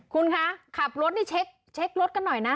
คุณคะขับรถนี่เช็ครถกันหน่อยนะ